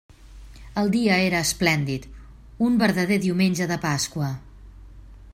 El dia era esplèndid; un verdader diumenge de Pasqua.